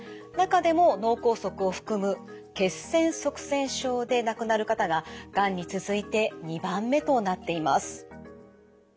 中でも脳梗塞を含む血栓塞栓症で亡くなる方ががんに続いて２番目となっています。